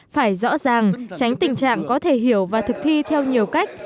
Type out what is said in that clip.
phải rõ ràng tránh tình trạng có thể hiểu và thực thi theo nhiều cách